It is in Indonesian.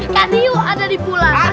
kadi yuk ada di pulang